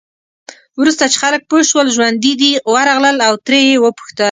وروسته چې خلک پوه شول ژوندي دی، ورغلل او ترې یې وپوښتل.